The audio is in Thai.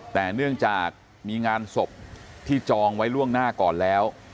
แต่เนื่องจากมีงานศพที่จองไว้ล่วงหน้าก่อนแล้ว